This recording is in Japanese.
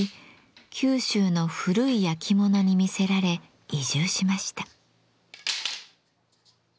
九州の古いやきものに魅せられ移住しました。